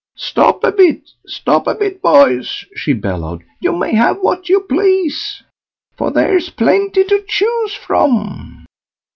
"Stop a bit! stop a bit, boys!" she bellowed; "you may have what you please, for there's plenty to choose from."